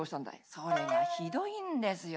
「それがひどいんですよ。